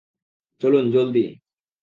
চলুন, জলদি!